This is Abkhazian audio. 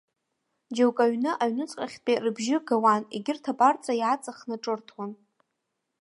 Џьоукы аҩны аҩнуҵҟахьтәи рыбжьы гауан, егьырҭ абарҵа иааҵаххны ҿырҭуан.